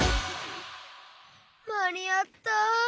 まにあった！